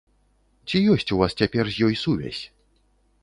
Ці ёсць у вас цяпер з ёй сувязь?